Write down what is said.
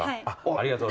ありがとう。